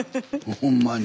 ほんまに。